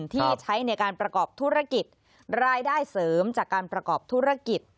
ที่ใช้ในการประกอบธุรกิจรายได้เสริมจากการประกอบธุรกิจ